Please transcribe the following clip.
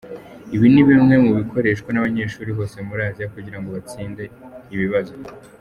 Ibi ni bimwe mu bikoreshwa n’abanyeshuri hose muri Asia, kugira ngo batsinde ibibazo.